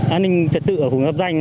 an ninh trật tự ở khu vực giáp danh